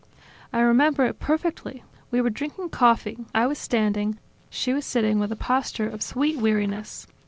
I remember it perfectly: we were drinking coffee, I was standing, she was sitting with a posture of sweet weariness.